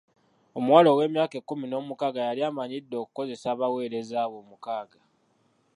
Omuwala ow'emyaka ekkumi n'omukaaga yali amanyidde okukozesa abaweereza abo omukaaga.